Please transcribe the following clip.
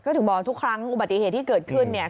ถึงบอกทุกครั้งอุบัติเหตุที่เกิดขึ้นเนี่ย